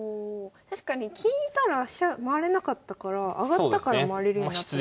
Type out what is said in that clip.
確かに金いたら飛車回れなかったから上がったから回れるようになったし。